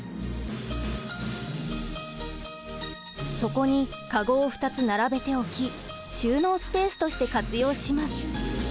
そこにかごを２つ並べて置き収納スペースとして活用します。